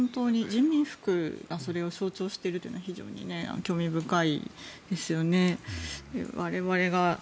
人民服がそれを象徴しているというのは非常に興味深いですよね。